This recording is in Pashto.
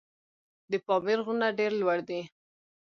د پامیر غرونه ډېر لوړ دي.